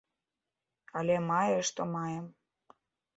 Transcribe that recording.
Але мае што маем.